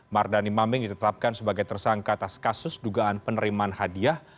mardani maming ditetapkan sebagai tersangka atas kasus dugaan penerimaan hadiah